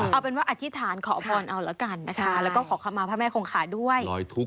เอาเป็นว่าอธิษฐานขอพรเอาละกันนะคะแล้วก็ขอคำมาพระแม่คงขาด้วย